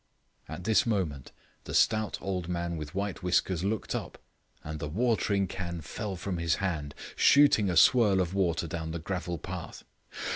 At this moment the stout old man with white whiskers looked up, and the watering can fell from his hand, shooting a swirl of water down the gravel path.